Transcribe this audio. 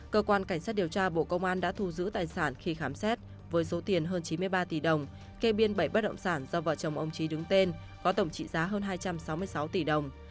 cơ quan cảnh sát điều tra bộ công an đã thu giữ tài sản khi khám xét với số tiền hơn chín mươi ba tỷ đồng kê biên bảy bất động sản do vợ chồng ông trí đứng tên có tổng trị giá hơn hai trăm sáu mươi sáu tỷ đồng